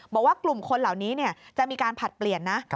บอกว่ากลุ่มคนเหล่านี้จะมีการผลัดเปลี่ยนนะ